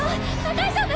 大丈夫？